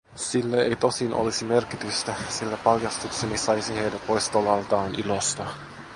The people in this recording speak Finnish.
Sillä ei tosin olisi merkitystä, sillä paljastukseni saisi heidät pois tolaltaan ilosta.